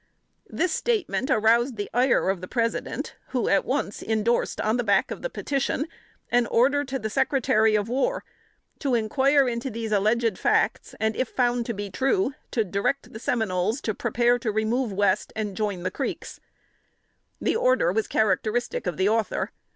This statement aroused the ire of the President, who at once indorsed on the back of the petition an order to the Secretary of War to "inquire into the alleged facts, and if found to be true, to direct the Seminoles to prepare to remove West and join the Creeks." The order was characteristic of the author.